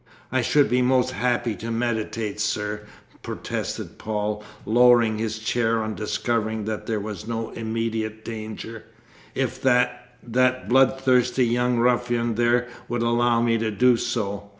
"I should be most happy to meditate, sir," protested Paul, lowering his chair on discovering that there was no immediate danger, "if that that bloodthirsty young ruffian there would allow me to do so.